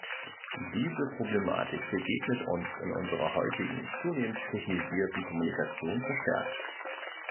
Diese Problematik begegnet uns in unserer heutigen, zunehmend technisierten, Kommunikation verstärkt.